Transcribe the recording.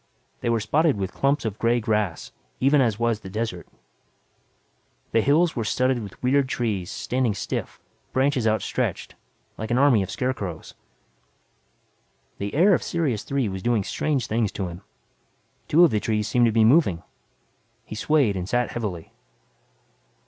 They were spotted with clumps of gray grass even as was the desert. The hills were studded with weird trees standing stiff, branches outstretched, like an army of scarecrows. The air of Sirius Three was doing strange things to him. Two of the trees seemed to be moving. He swayed and sat heavily.